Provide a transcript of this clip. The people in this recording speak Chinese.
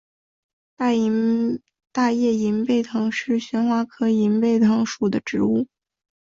大叶银背藤是旋花科银背藤属的植物。